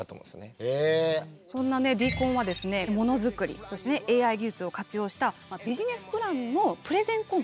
そんなねＤコンはですねものづくりそしてＡＩ技術を活用したビジネスプランのプレゼンコンテスト。